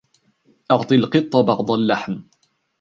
أعطِ القطّ بعض اللّحم.